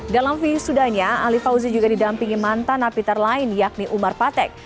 dalam visudanya ali fauzi juga didampingi mantan napiter lain yakni umar patek